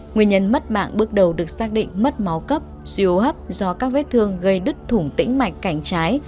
nguyên nhân mất mạng bước đầu được xác định mất máu cấp suy hô hấp do các vết thương gây đứt thủng tĩnh mạch cảnh trái